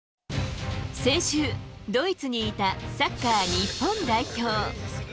先週、ドイツにいたサッカー日本代表。